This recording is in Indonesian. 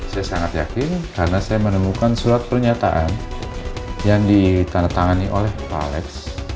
saya sangat yakin karena saya menemukan surat pernyataan yang ditandatangani oleh pak alex